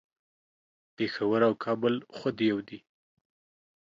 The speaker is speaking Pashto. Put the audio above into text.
پیښور او کابل خود یو دي